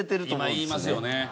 今言いますよね。